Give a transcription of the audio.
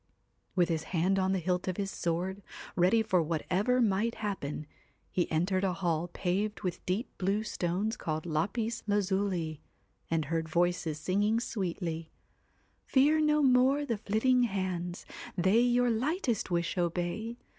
With his hand on the hilt of his sword, ready for whatever might happen, he entered a hall paved with deep blue stone called lapis lazuli, and heard voices singing sweetly 1 Fear no more the flitting hands, They your lightest wish obey.